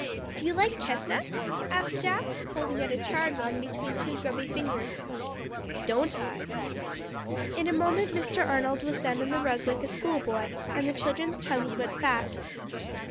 "Do you like chestnuts?" asked Jack, holding out a charred one between two grubby fingers. "Don't I?" In a moment Mr. Arnold was down on the rug like a school boy, and the children's tongues went fast.